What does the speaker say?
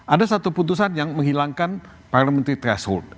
ada satu putusan yang menghilangkan parliamentary threshold